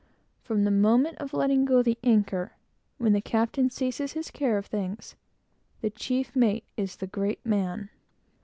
From the moment of letting go the anchor, when the captain ceases his care of things, the chief mate is the great man.